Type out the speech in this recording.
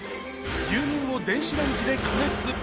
牛乳を電子レンジで加熱。